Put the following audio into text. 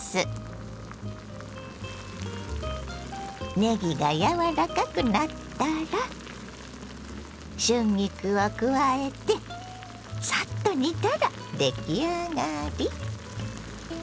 ねぎが柔らかくなったら春菊を加えてサッと煮たら出来上がり！